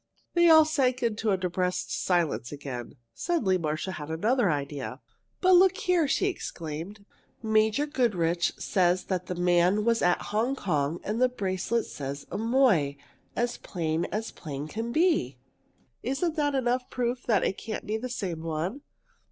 They all sank into a depressed silence again. Suddenly Marcia had another idea. "But look here!" she exclaimed. "Major Goodrich says that man was at Hong Kong and the bracelet says 'Amoy,' as plain as plain can be. Isn't that enough proof that it can't be the same one?"